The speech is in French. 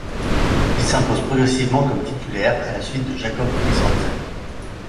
Il s'impose progressivement comme titulaire, à la suite de Jakob Friis-Hansen.